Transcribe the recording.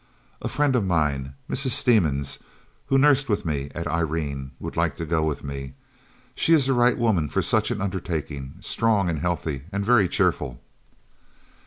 "A friend of mine, Mrs. Stiemens, who nursed with me at Irene, would like to go with me. She is the right woman for such an undertaking, strong and healthy and very cheerful."